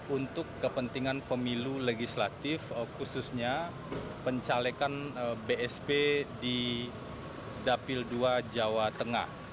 untuk kepentingan pemilu legislatif khususnya pencalekan bsp di dapil dua jawa tengah